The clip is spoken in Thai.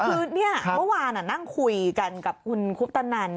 คือเมื่อวานน่างคุยกันกับคุณคุบตะนัน